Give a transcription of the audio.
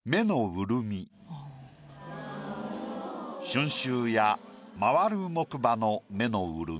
「春愁や廻る木馬の目の潤み」。